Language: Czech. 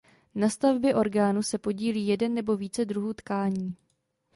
Na stavbě orgánu se podílí jeden nebo více druhů tkání.